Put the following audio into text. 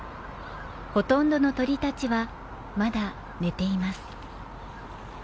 ほとんどの鳥たちはまだ寝ています。